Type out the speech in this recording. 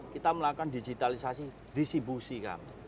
kita melakukan digitalisasi distribusi kami